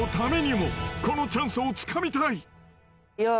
［このチャンスをつかみたい］